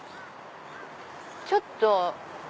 ちょっと。